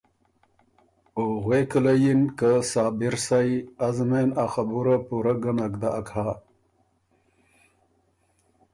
او غوېکه له یِن که ” صابر سئ از مېن ا خبُره پورۀ ګه نک داک هۀ“